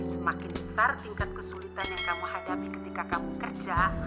semakin besar tingkat kesulitan yang kamu hadapi ketika kamu kerja